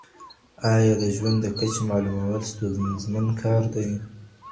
آيا د ژوند د کچې معلومول ستونزمن کار دى؟